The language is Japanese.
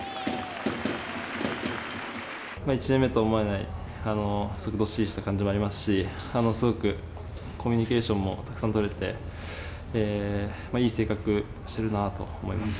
１年目とは思えない、すごくどっしりした感じもありますし、すごくコミュニケーションもたくさん取れて、いい性格してるなと思います。